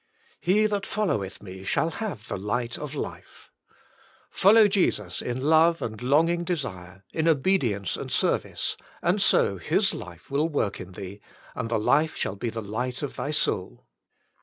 " He that followeth ME shall have the light of life." Follow Jesus in love and long ing desire, in obedience and service, and so His life will work in thee, and the life shall be the light of thy soul.